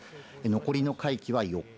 残りの会期は４日。